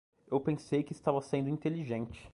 Eu pensei que estava sendo inteligente.